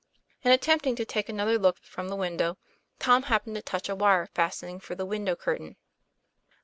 In attempt ing to take another look from the window, Tom happened to touch a wire fastening for the window curtain.